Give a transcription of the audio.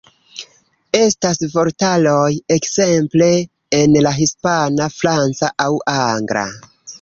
Estas vortaroj ekzemple en la Hispana, Franca aŭ Angla.